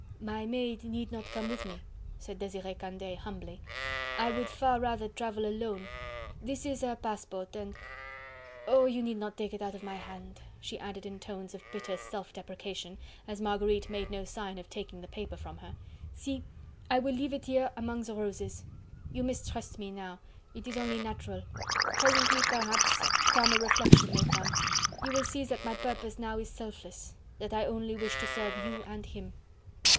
"My maid need not come with me," said Desiree Candeille humbly. "I would far rather travel alone... this is her passport and... Oh! you need not take it out of my hand," she added in tones of bitter self deprecation, as Marguerite made no sign of taking the paper from her. "See! I will leave it here among the roses!... You mistrust me now... it is only natural... presently, perhaps, calmer reflection will come... you will see that my purpose now is selfless... that I only wish to serve you and him."